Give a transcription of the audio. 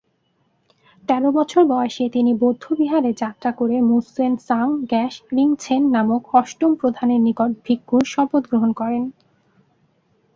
তেরো বছর বয়সে তিনি ঙ্গোর-এ-বাম-ছোস-ল্দান বৌদ্ধবিহারে যাত্রা করে মুস-ছেন-সাংস-র্গ্যাস-রিন-ছেন নামক অষ্টম প্রধানের নিকট ভিক্ষুর শপথ গ্রহণ করেন।